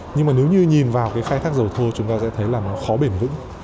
nhưng mà nếu như nhìn vào cái khai thác dầu thô chúng ta sẽ thấy là nó khó bền vững